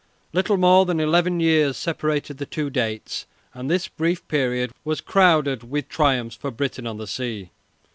Little more than eleven years separated the two dates, and this brief period was crowded with triumphs for Britain on the sea.